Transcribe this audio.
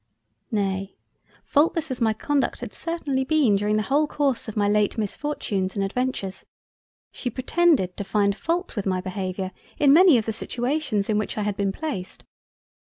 Nay, faultless as my conduct had certainly been during the whole course of my late misfortunes and adventures, she pretended to find fault with my behaviour in many of the situations in which I had been placed.